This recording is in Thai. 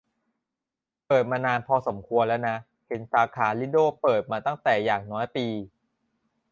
เปิดมานานพอควรแล้วนะ เห็นสาขาลิโดมาตั้งแต่อย่างน้อยปี